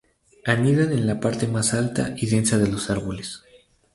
Anidan en la parte más alta y densa de los árboles.